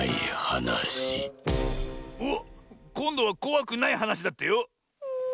おっこんどはこわくないはなしだってよ。